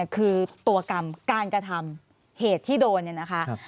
คือตัวกรรมการกระทำเหตุที่โดนเนี่ยนะคะ